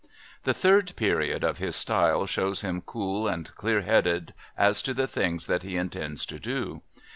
The third period of his style shows him cool and clear headed as to the things that he intends to do.